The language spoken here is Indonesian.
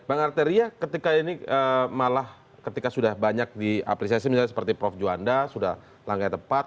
bang arteria ketika ini malah ketika sudah banyak diapresiasi misalnya seperti prof juanda sudah langkah yang tepat